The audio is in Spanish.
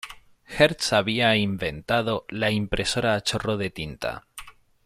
Hertz había inventado la impresora a chorro de tinta.